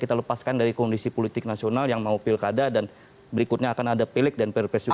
kita lepaskan dari kondisi politik nasional yang mau pilkada dan berikutnya akan ada pilek dan pilpres juga